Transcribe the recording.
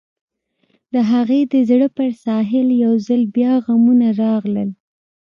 د هغې د زړه پر ساحل يو ځل بيا غمونه راغلل.